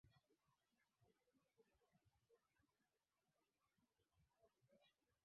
hapa mlalakuwa mkabala na mlimani city